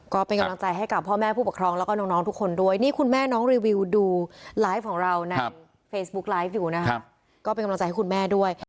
ก็เป็นกำลังใจให้กลับพ่อแม่ผู้ปกครองและน้องทุกคนด้วย